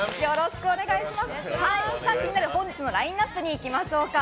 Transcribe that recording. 気になる本日のラインアップにいきましょう。